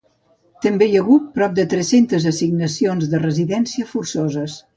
També hi ha hagut prop de tres-centes assignacions de residència forçoses.